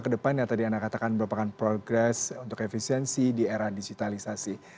kedepannya tadi anda katakan berapakan progress untuk efisiensi di era digitalisasi